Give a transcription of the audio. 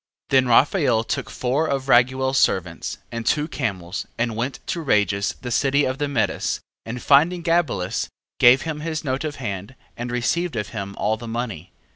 9:6. Then Raphael took four of Raguel's servants, and two camels, and went to Rages the city of the Medes: and finding Gabelus, gave him his note of hand, and received of him all the money.